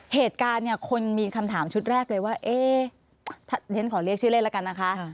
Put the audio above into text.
เหตุการณ์เนี่ยคนมีคำถามชุดแรกเลยว่าเอ๊ะเดี๋ยวฉันขอเรียกชื่อเล่นแล้วกันนะคะ